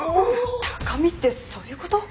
高みってそういうこと？